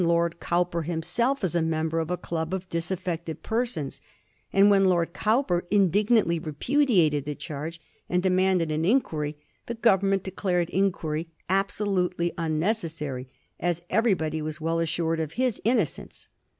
xhl Lord Cowper himself as a member of a club of dis affected persons ; and when Lord Cowper indignantly repudiated the charge and demanded an inquiry, the Government declared inquiry absolutely unnecessary, as everybody was well assured of his innocence.